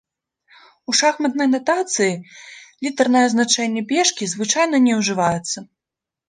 У шахматнай натацыі літарнае азначэнне пешкі звычайна не ўжываецца.